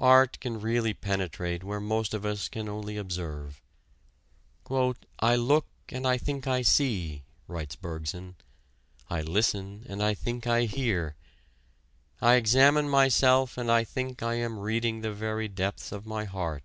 Art can really penetrate where most of us can only observe. "I look and I think I see," writes Bergson, "I listen and I think I hear, I examine myself and I think I am reading the very depths of my heart....